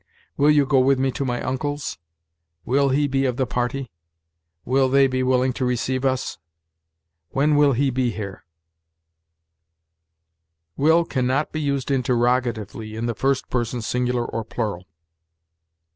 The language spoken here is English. "Will you go with me to my uncle's?" "Will he be of the party?" "Will they be willing to receive us?" "When will he be here?" Will can not be used interrogatively in the first person singular or plural.